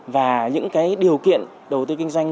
và những điều kiện đầu tư kinh doanh